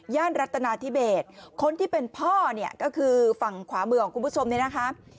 รัฐนาธิเบสคนที่เป็นพ่อเนี่ยก็คือฝั่งขวามือของคุณผู้ชมเนี่ยนะคะ